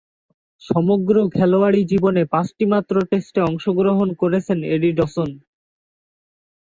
সমগ্র খেলোয়াড়ী জীবনে পাঁচটিমাত্র টেস্টে অংশগ্রহণ করেছেন এডি ডসন।